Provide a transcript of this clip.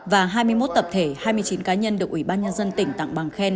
và hai mươi một tập thể hai mươi chín cá nhân được ủy ban nhân dân tỉnh tặng bằng khen